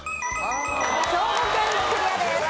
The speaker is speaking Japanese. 兵庫県クリアです。